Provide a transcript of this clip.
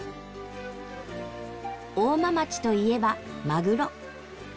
大間町といえばマグロ。